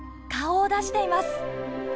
顔を出しています。